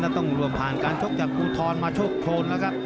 แล้วต้องรวมผ่านการชกจากกูธรมาชกโฟนแล้วครับ